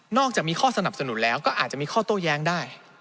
อกจากมีข้อสนับสนุนแล้วก็อาจจะมีข้อโต้แย้งได้